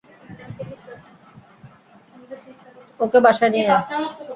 ওকে বাসায় নিয়ে আয়।